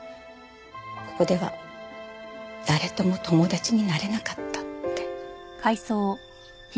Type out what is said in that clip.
ここでは誰とも友達になれなかったって。